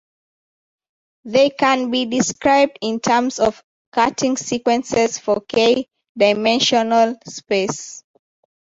They can be described in terms of cutting sequences for "k"-dimensional space.